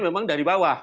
memang dari bawah